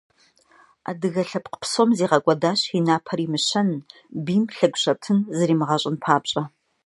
Адыгэ лъэпкъ псом зигъэкӀуэдащ и напэр имыщэн, бийм лъэгущӀэтын зримыгъэщӀын папщӀэ.